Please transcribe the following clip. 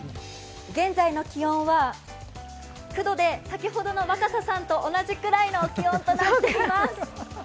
現在の気温は９度で先ほどの若狭さんと同じくらいの気温となっています。